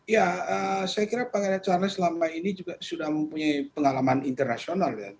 ya saya kira pangeran charles selama ini juga sudah mempunyai pengalaman internasional ya